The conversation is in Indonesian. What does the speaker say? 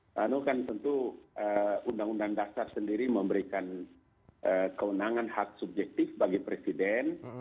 lalu kan tentu undang undang dasar sendiri memberikan kewenangan hak subjektif bagi presiden